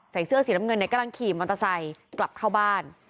เสื้อสีน้ำเงินเนี่ยกำลังขี่มอเตอร์ไซค์กลับเข้าบ้าน